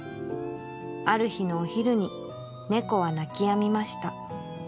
「ある日のお昼にねこはなきやみました」